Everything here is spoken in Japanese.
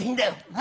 何？